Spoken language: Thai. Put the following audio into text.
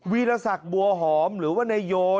วิรสักบัวหอมหรือว่าในโย